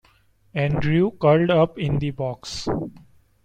Andrew curled up in the box.